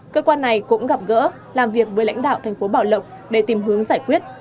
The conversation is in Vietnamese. cơ quan này cũng gặp gỡ làm việc với lãnh đạo tp bảo lộc để tìm hướng giải quyết